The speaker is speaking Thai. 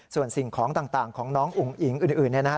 ส่วนสิ่งของต่างของน้องอุ๋งอิ๋งอื่นเนี่ยนะฮะ